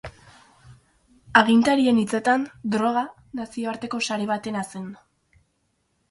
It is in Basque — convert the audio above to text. Agintarien hitzetan, droga nazioarteko sare batena zen.